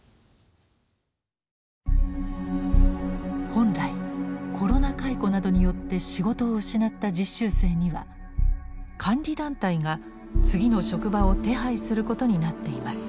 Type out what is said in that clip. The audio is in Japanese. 本来コロナ解雇などによって仕事を失った実習生には監理団体が次の職場を手配することになっています。